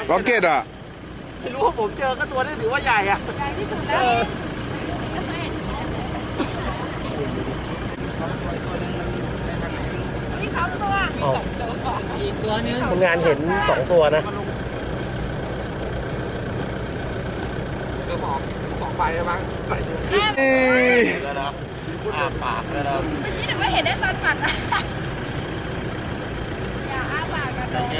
อ่ะรู้ตัวอย่างยายอ่ะ